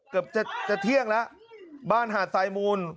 เกือบจะเที่ยงแล้วบ้านหาดทรายมูล